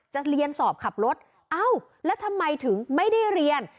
จะเรียนสอบขับรถเอ้าแล้วทำไมถึงไม่ได้เรียน